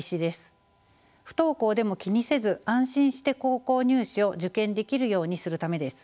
不登校でも気にせず安心して高校入試を受験できるようにするためです。